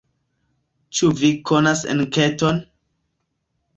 Ĉu vi konas enketon?